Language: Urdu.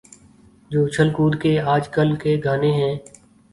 جو اچھل کود کے آج کل کے گانے ہیں۔